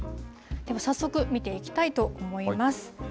では早速見ていきたいと思います。